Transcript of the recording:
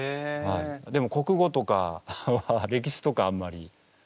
でも国語とか歴史とかはあんまり。